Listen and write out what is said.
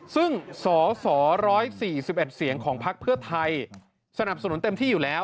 ซึ่งสส๑๔๑เสียงของพักเพื่อไทยสนับสนุนเต็มที่อยู่แล้ว